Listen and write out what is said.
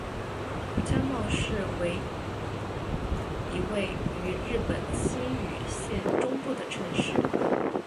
加茂市为一位于日本新舄县中部的城市。